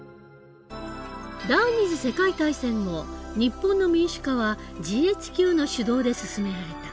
第２次世界大戦後日本の民主化はＧＨＱの主導で進められた。